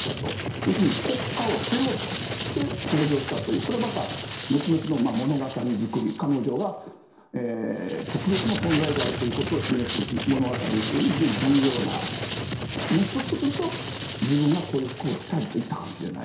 要するに国家を背負って登場したというこれまた、後々の物語作り彼女が特別な存在であるということを示す物語にするには非常に重要なひょっとすると自分がこういう服を着たいと言ったかもしれない。